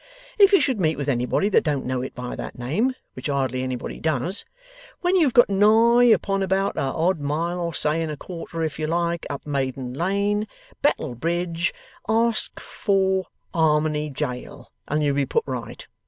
If you should meet with anybody that don't know it by that name (which hardly anybody does), when you've got nigh upon about a odd mile, or say and a quarter if you like, up Maiden Lane, Battle Bridge, ask for Harmony Jail, and you'll be put right.